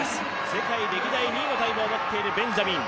世界歴代２位のタイムを持っているベンジャミン。